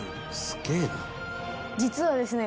実はですね